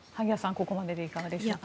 ここまででいかがでしょうか。